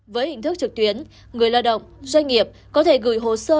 với hình thức trực tuyến người lao động doanh nghiệp có thể gửi hồ sơ